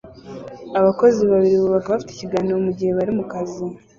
Abakozi babiri bubaka bafite ikiganiro mugihe bari mukazi